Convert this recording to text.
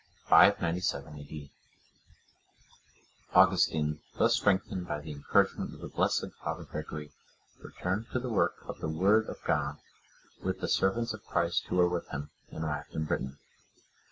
[597 A.D.] Augustine, thus strengthened by the encouragement of the blessed Father Gregory, returned to the work of the Word of God, with the servants of Christ who were with him, and arrived in Britain.